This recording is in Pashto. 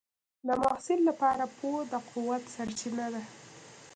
د محصل لپاره پوهه د قوت سرچینه ده.